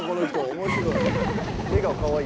面白い。